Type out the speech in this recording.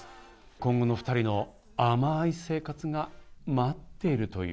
今後のお２人のあまい生活が待っているという。